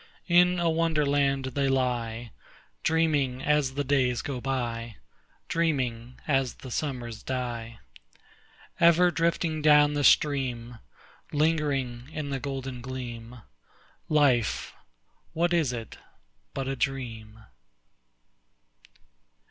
In a Wonderland they lie, Dreaming as the days go by, Dreaming as the summers die: Ever drifting down the stream— Lingering in the golden gleam— Life, what is it but a dream?